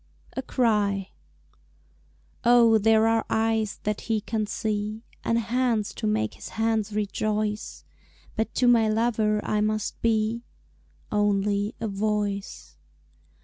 A Cry Oh, there are eyes that he can see, And hands to make his hands rejoice, But to my lover I must be Only a voice.